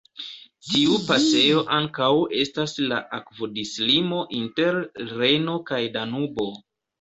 Tiu pasejo ankaŭ estas la akvodislimo inter Rejno kaj Danubo.